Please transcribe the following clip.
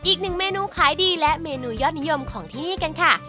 อีกหนึ่งเมนูขายดีและเมนูยอดนิยมของที่นี่กันค่ะ